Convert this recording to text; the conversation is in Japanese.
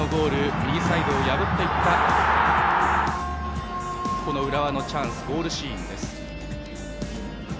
右サイドを破っていった浦和のゴールシーンです。